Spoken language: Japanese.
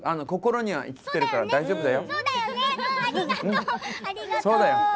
心には生きているから大丈夫だよ。